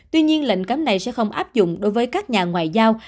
tuy nhiên lệnh cấm này sẽ không áp dụng đối với các nhà ngoại giao